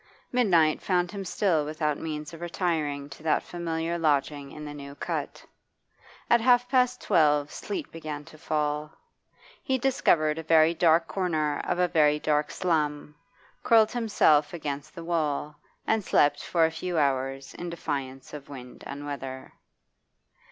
Midnight found him still without means of retiring to that familiar lodging in the New Cut. At half past twelve sleet began to fall. He discovered a very dark corner of a very dark slum, curled himself against the wall, and slept for a few hours in defiance of wind and weather.